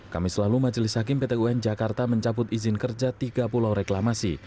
kami selalu majelis hakim pt un jakarta mencabut izin kerja tiga pulau reklamasi